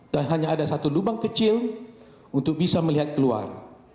dan hanya ada satu lubang kecil untuk bisa melihat keluar